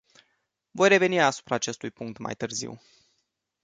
Voi reveni asupra acestui punct mai târziu.